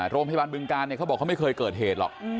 โรงพยาบาลบึงกาลเขาบอกไม่เคยเกิดเหตุหรอก